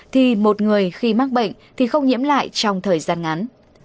thì một người khi mắc bệnh thì không nhiễm lại trong thời gian ngắn